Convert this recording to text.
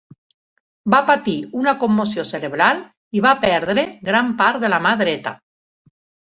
Va patir una commoció cerebral i va perdre gran part de la mà dreta.